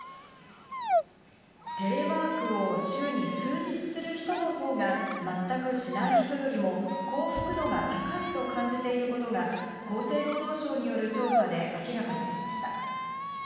テレワークを週に数日する人のほうが全くしない人よりも幸福度が高いと感じていることが厚生労働省による調査で明らかになりました。